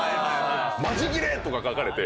「マジギレ」とか書かれて。